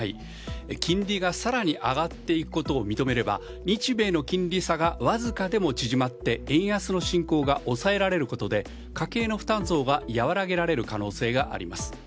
金利が更に上がっていくことを認めれば、日米の金利差がわずかでも縮まって円安の進行が抑えられることで家計の負担増は和らげられる可能性があります。